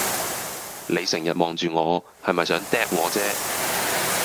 你成日望住我，係咪想嗒我姐?